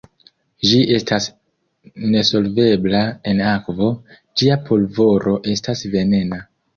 Ĝi estas nesolvebla en akvo, ĝia pulvoro estas venena.